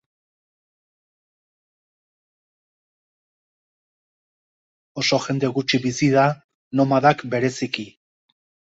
Oso jende gutxi bizi da, nomadak bereziki.